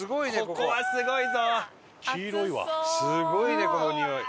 伊達：すごいね、このにおい。